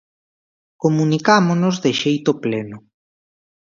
Comunicámonos de xeito pleno.